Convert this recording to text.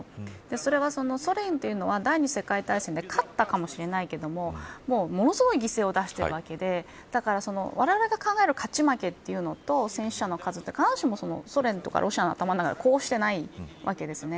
それはソ連というのは第２次世界大戦で勝ったかもしれないけれどもものすごい犠牲を出しているわけでだからわれわれが考える勝ち負けと戦死者の数は必ずしもロシアの頭の中でこうしないわけです。